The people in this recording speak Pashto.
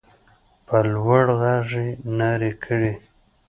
په لوړ غږ يې نارې کړې.